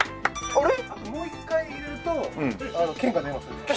あともう一回入れると券が出ますので。